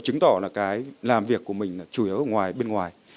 chứng tỏ là cái làm việc của mình là chủ yếu ở ngoài bên ngoài